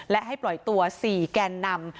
และให้ปล่อยตัว๔แกนนำ